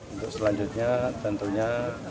untuk selanjutnya tentunya